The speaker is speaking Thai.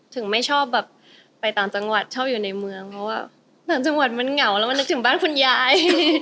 ไม่ชอบแบบไปต่างจังหวัดชอบอยู่ในเมืองเพราะว่าต่างจังหวัดมันเหงาแล้วมันนึกถึงบ้านคุณยาย